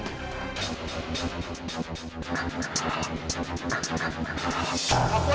kau tak tahu apa yang kamu lakukan